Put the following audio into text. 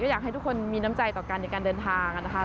อยากให้ทุกคนมีน้ำใจต่อกันในการเดินทางนะคะ